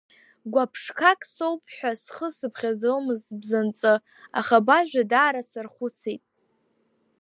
Гәыԥшқак соуп ҳәа схы сыԥхьаӡомызт бзанҵы, аха бажәа даара сархәыцит.